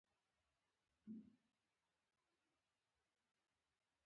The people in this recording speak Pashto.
د پخوا په نسبت لغازي خبرو پر ده چندان اغېز نه کاوه.